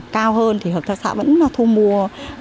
cao hơn thì hợp tác xã vẫn thu mua